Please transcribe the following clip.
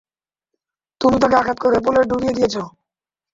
তুমি তাকে আঘাত করে পুলে ডুবিয়ে দিয়েছো।